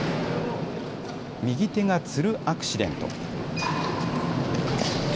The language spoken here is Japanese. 右手がつるアクシデント。